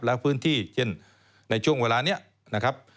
และพื้นที่เช่นในช่วงเวลานี้นะครับ